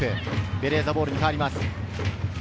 ベレーザボールに変わります。